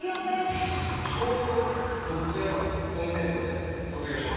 ちょうど僕と矢花今年度で卒業します。